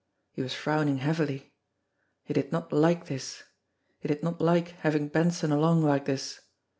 He was frowning heavily. He did not like this ! He did not like having Benson along like this.